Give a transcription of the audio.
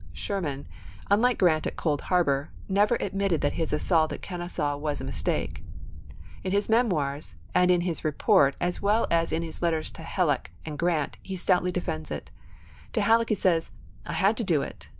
Sherman, unlike Grant at Cold Harbor, never admitted that his assault at Kenesaw was a mis pp. eo, el. take. In his " Memoirs " and in his report, as well as in his letters to Halleck and Grant, he stoutly juiy 9, 1864. defends it. To Halleck, he says, " I had to do it.